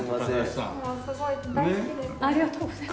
ありがとうございます。